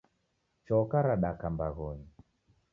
Choka radaka mbaghonyi